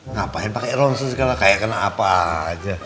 ngapain pakai ronsen segala kayak kena apa aja